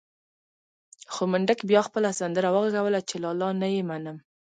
خو منډک بيا خپله سندره وغږوله چې لالا نه يې منم.